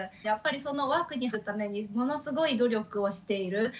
やっぱりその枠に入るためにものすごい努力をしている。